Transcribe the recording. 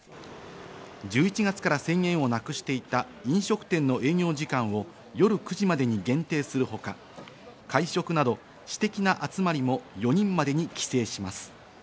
１１月から制限をなくしていた飲食店の営業時間を夜９時までに限定するほか、会食など私的な集まりも４人までに規制します。